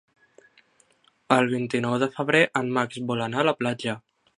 El vint-i-nou de febrer en Max vol anar a la platja.